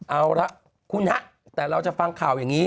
เอาละคุณฮะแต่เราจะฟังข่าวอย่างนี้